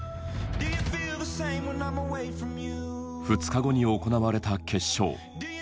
２日後に行われた決勝。